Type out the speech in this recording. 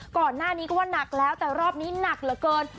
ก่อนหน้านี้ก็ว่านักแล้วแต่รอบนี้หนักเหลือเกิน